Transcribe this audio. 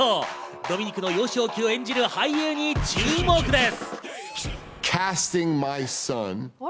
ドミニクの幼少期を演じる俳優に注目です。